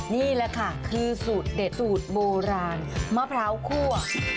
นี่แหละค่ะคือสูตรเด็ดสูตรโบราณมะพร้าวคั่ว